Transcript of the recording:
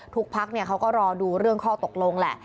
พักเขาก็รอดูเรื่องข้อตกลงแหละ